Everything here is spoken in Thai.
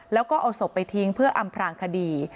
แล้วก็เอาศพไปทิ้งเพื่ออำพลางคดี